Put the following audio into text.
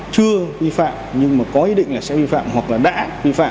chưa vi phạm nhưng mà có ý định là sẽ vi phạm hoặc là đã vi phạm